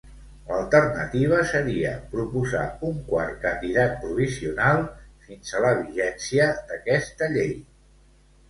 L'alternativa seria proposar un quart candidat provisional fins a la vigència d'aquesta llei.